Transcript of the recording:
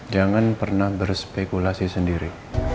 jangan pernah berspekulasi sendiri